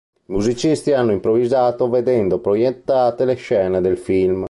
I musicisti hanno improvvisato vedendo proiettate le scene del film.